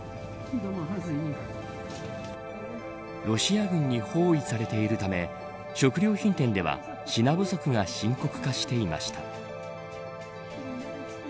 ロシア軍に包囲されているため食料品店では品不足が深刻化していました。